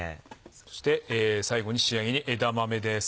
そして最後に仕上げに枝豆です。